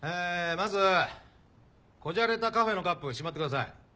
まず小じゃれたカフェのカップをしまってください。